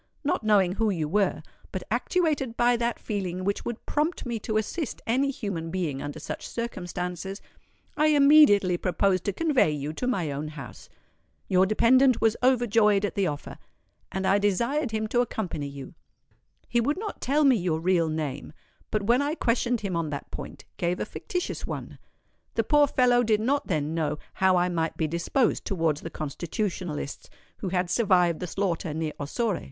Not knowing who you were, but actuated by that feeling which would prompt me to assist any human being under such circumstances, I immediately proposed to convey you to my own house. Your dependant was overjoyed at the offer; and I desired him to accompany you. He would not tell me your real name, but when I questioned him on that point, gave a fictitious one. The poor fellow did not then know how I might be disposed towards the Constitutionalists who had survived the slaughter near Ossore.